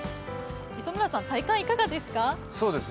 磯村さん、体感はいかがですか？